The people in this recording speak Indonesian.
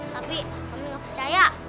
tapi kami gak percaya